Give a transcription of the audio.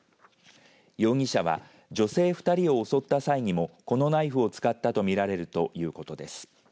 容疑者は女性２人を襲った際にもこのナイフを使ったと見られるということです。